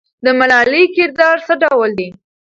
د ملالۍ کردار څه ډول دی؟